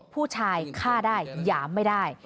ผู้ชายฆ่าได้หยามไม่ได้